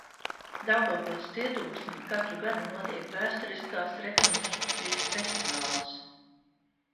Daugavpils cietoksnī katru gadu notiek vēsturiskās rekonstrukcijas festivāls.